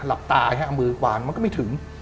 หลับตามือกวางมันก็ไม่ถึง